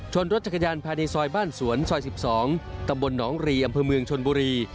รถจักรยานภายในซอยบ้านสวนซอย๑๒ตำบลหนองรีอำเภอเมืองชนบุรี